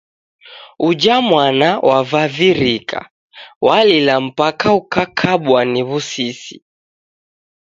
Uja mwana wavivirika. Walila mpaka ukakabwa ni w'usisi.